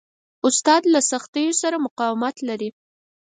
استاد د سختیو سره مقاومت لري.